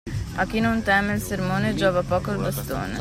A chi non teme il sermone giova poco il bastone.